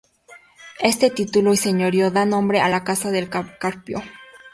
Este título y señorío da nombre a la casa del Carpio.